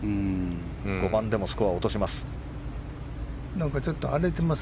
５番でもスコアを落とします。